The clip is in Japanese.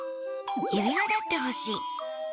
指輪だって欲しい。